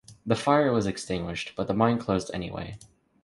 The fire was extinguished, but the mine closed anyway.